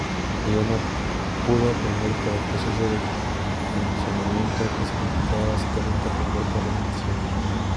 Leonard pudo aprender por el proceso de condicionamiento, que significa básicamente aprender por repetición.